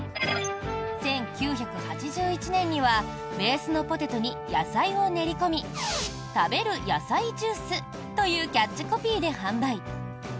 １９８１年にはベースのポテトに野菜を練り込み「たべる野菜ジュース」というキャッチコピーで販売。